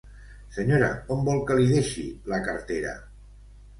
Senyora, on vol que li deixi la cartera?